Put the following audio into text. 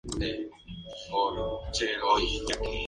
Amis pagó la deuda dedicándole el libro terminado.